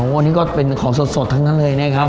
อันนี้ก็เป็นของสดกันเลยนะครับ